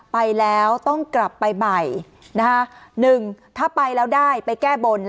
ไปแล้วต้องกลับไปใหม่๑ถ้าไปแล้วได้ไปแก้บ่น